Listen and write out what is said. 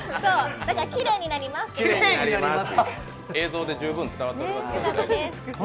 だから、きれいになります。